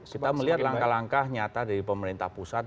kita melihat langkah langkah nyata dari pemerintah pusat